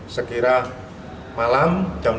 sekiranya malam jam dua puluh tiga